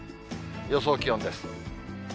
予想気温です。